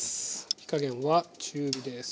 火加減は中火です。